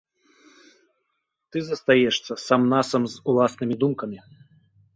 Ты застаешся сам-насам з уласнымі думкамі.